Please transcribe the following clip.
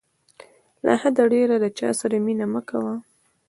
له حده ډېر د چاسره مینه مه کوه.